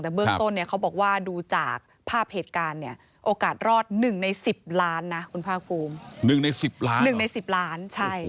หนึ่งใน๑๐ล้านนี่คือโชคดีจริง